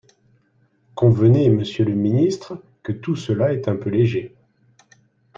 Convenez, monsieur le ministre, que tout cela est un peu léger.